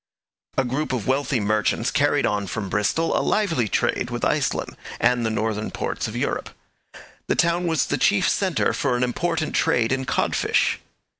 A group of wealthy merchants carried on from Bristol a lively trade with Iceland and the northern ports of Europe. The town was the chief centre for an important trade in codfish.